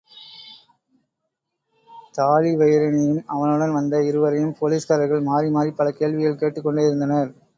தாழிவயிறனையும் அவனுடன் வந்த இருவரையும் போலீஸ்காரர்கள் மாறிமாறிப் பல கேள்விகள் கேட்டுக் கொண்டே இருந்தனர்.